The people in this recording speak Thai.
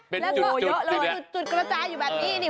เป็นจุดจุดกระจายอยู่แบบนี้